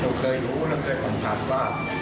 เราเคยรู้เราเคยความถามว่า